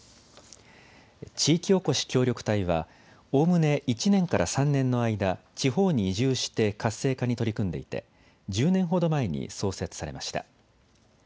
地域おこし協力隊はおおむね１年から３年の間、地方に移住して活性化に取り組んでいて１０年ほど前に創設されました。